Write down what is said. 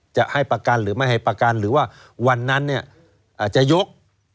จะให้ประกันหรือไม่ให้ประกันหรือว่าวันนั้นเนี่ยอาจจะยก